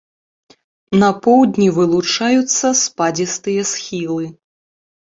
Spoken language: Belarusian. На поўдні вылучаюцца спадзістыя схілы.